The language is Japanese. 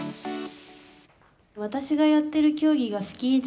私がやってる競技がスキージ